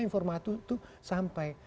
informasi itu sampai